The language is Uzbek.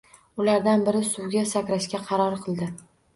Ulardan biri suvga sakrashga qaror qildi